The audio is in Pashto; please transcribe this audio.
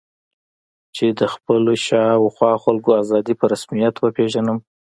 چې د خپلو شا او خوا خلکو آزادي په رسمیت وپېژنم.